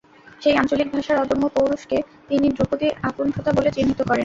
সেই আঞ্চলিক ভাষার অদম্য পৌরুষকে তিনি ধ্রুপদী অকুণ্ঠতা বলে চিহ্নিত করেন।